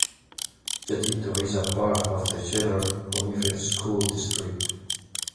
Jeddito is a part of the Cedar Unified School District.